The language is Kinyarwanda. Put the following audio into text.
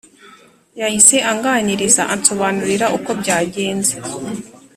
yahise anganiriza ansobanurira uko byagenze,